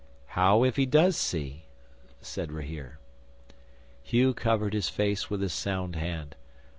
'"How if he does see?" said Rahere. 'Hugh covered his face with his sound hand.